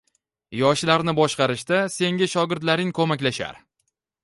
Yoshlarni boshqarishda senga shogirdlaring ko‘maklashar